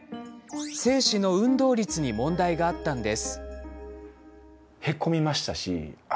精子の運動率に問題があったんです。